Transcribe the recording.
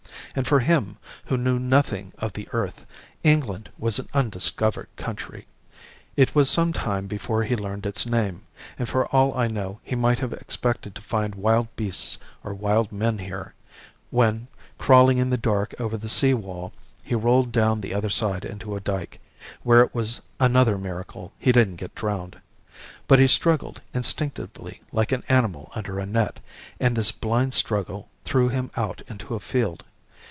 And for him, who knew nothing of the earth, England was an undiscovered country. It was some time before he learned its name; and for all I know he might have expected to find wild beasts or wild men here, when, crawling in the dark over the sea wall, he rolled down the other side into a dyke, where it was another miracle he didn't get drowned. But he struggled instinctively like an animal under a net, and this blind struggle threw him out into a field.